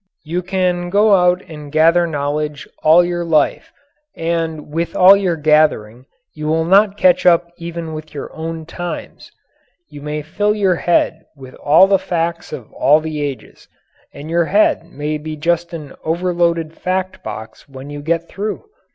You can go out and gather knowledge all your life, and with all your gathering you will not catch up even with your own times. You may fill your head with all the "facts" of all the ages, and your head may be just an overloaded fact box when you get through.